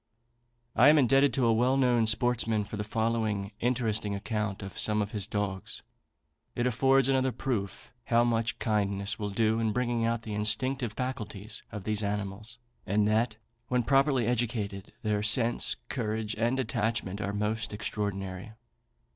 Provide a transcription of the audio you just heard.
[B] I am indebted to a well known sportsman for the following interesting account of some of his dogs. It affords another proof how much kindness will do in bringing out the instinctive faculties of these animals; and that, when properly educated, their sense, courage, and attachment are most extraordinary.